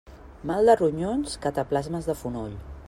Mal de ronyons, cataplasmes de fonoll.